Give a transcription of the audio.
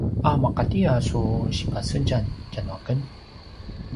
a maqati a su sipasedjam tja nuaken?